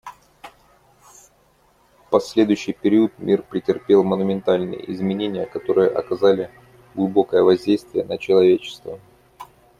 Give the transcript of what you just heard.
В последующий период мир претерпел монументальные изменения, которые оказали глубокое воздействие на человечество.